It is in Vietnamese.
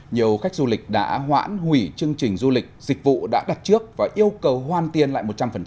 nhiều khách du lịch đã hoãn hủy chương trình du lịch dịch vụ đã đặt trước và yêu cầu hoan tiên lại một trăm linh